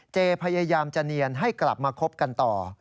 พยายามจะเนียนให้กลับมาคบกันต่อ